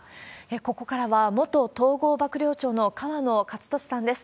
ここからは、元統合幕僚長の河野克俊さんです。